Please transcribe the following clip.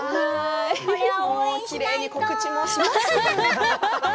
きれいに告知もします。